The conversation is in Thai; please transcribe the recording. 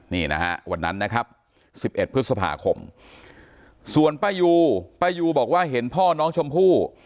นี่นะฮะวันนั้นนะครับ๑๑พฤษภาคมส่วนป้ายูป้ายูบอกว่าเห็นพ่อน้องชมพู่